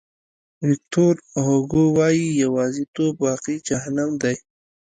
ویکتور هوګو وایي یوازیتوب واقعي جهنم دی.